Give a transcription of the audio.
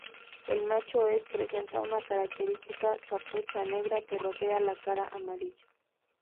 El macho es presenta una característica capucha negra que rodea la cara amarilla.